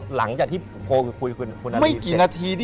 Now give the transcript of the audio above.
หลังจากที่คุยคุณนาลีเสร็จ